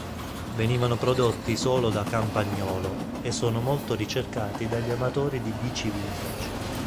Venivano prodotti solo da Campagnolo e sono molto ricercati dagli amatori di bici vintage.